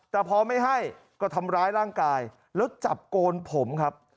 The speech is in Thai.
แต่พอไม่ให้ก็ทำร้ายร่างกายแล้วจับโกนผมครับ